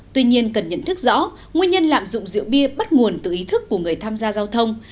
tuy nhiên cần nhận thức rõ nguyên nhân lạm dụng rượu bia bắt nguồn từ ý thức của người tham gia giao thông